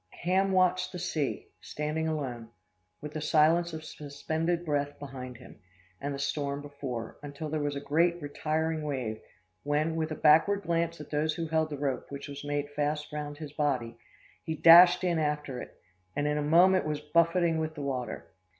"Ham watched the sea, standing alone, with the silence of suspended breath behind him, and the storm before, until there was a great retiring wave, when, with a backward glance at those who held the rope which was made fast round his body, he dashed in after it, and, in a moment was buffeting with the water.